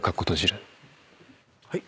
はい？